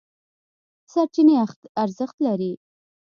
سرچینې ارزښت لري.